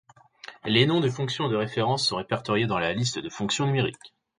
Les noms de fonctions de référence sont répertoriés dans la liste de fonctions numériques.